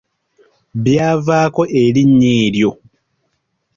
Byavaako erinnya eryo.